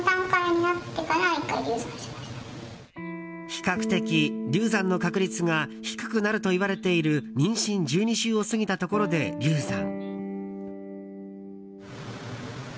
比較的、流産の確率が低くなるといわれている妊娠１２週を過ぎたところで流産。